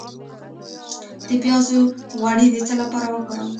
د پیاز غوړي د څه لپاره وکاروم؟